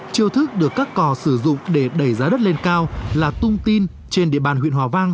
chiêu thức được các cò sử dụng để đẩy giá đất lên cao là tung tin trên địa bàn huyện hòa vang